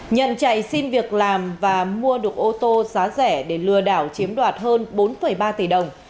nhận chạy xin việc làm và mua được ô tô giá rẻ để lừa đảo chiếm đoạt hơn bốn ba tỷ đồng